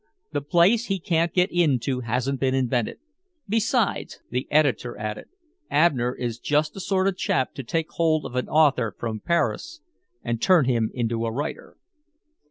The place he can't get into hasn't been invented. Besides," the editor added, "Abner is just the sort of chap to take hold of an author from Paris and turn him into a writer."